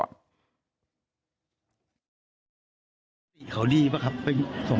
สวัสดีครับคุณผู้ชาย